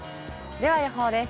では、予報です。